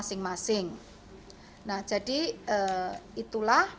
sehingga masyarakat kami himbau untuk segera kembali ke lapangan